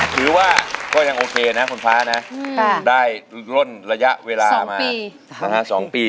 ก็ยังโอเคนะคุณฟ้านะได้ล่นระยะเวลามา๒ปี